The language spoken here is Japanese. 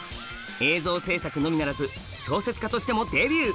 映像制作のみならず小説家としてもデビュー！